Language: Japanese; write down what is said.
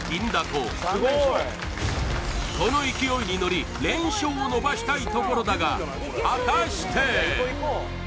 ここの勢いに乗り連勝を伸ばしたいところだが果たして？